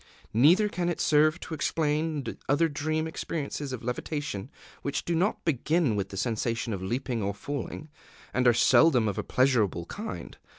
Neither can it serve to explain other dream experiences of levitation which do not begin with the sensation of leaping or falling, and are seldom of a pleasurable kind.